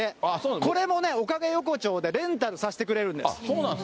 これもね、おかげ横丁でレンタルさせてくれるんです。